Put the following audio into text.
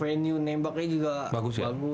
venue nembaknya juga bagus